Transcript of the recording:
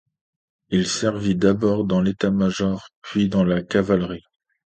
Il servit d'abord dans l'état-major puis dans la cavalerie.